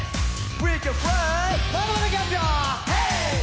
まだまだいきますよ！